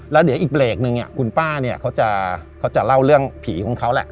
แล้วเดี๋ยวอีกเบรกนึงคุณป้าเนี่ยเขาจะเล่าเรื่องผีของเขาแหละ